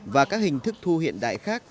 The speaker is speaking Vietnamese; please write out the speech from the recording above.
và các hình thức thu hiện đại khác